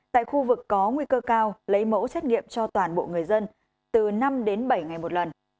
tại khu vực có nguy cơ cao lấy mẫu xét nghiệm cho toàn bộ người dân từ năm đến bảy ngày một lần